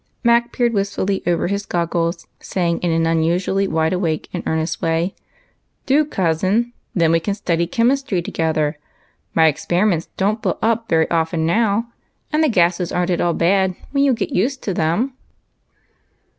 Mac peered wistfully over his goggles, saying in an unusually wide awake and earnest way, —" Do, cousin, then we can study chemistry together. My experiments don't blow up very often now, and the gases are n't at all bad when you get used to them."